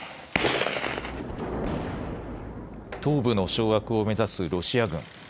東部の掌握を目指すロシア軍。